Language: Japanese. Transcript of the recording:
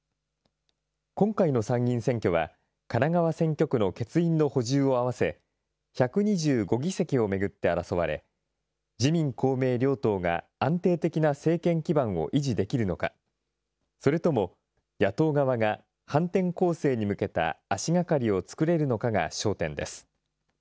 今回の参議院選挙は、神奈川選挙区の欠員の補充を合わせ、１２５議席を巡って争われ、自民、公明両党が安定的な政権基盤を維持できるのか、それとも野党側が反転攻勢に向けた足がかりを作れるのかが焦点です。